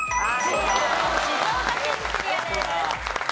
静岡県クリアです。